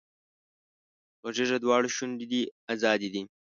غږېږه دواړه شونډې دې ازادې دي